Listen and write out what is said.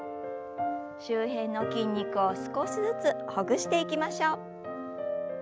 周辺の筋肉を少しずつほぐしていきましょう。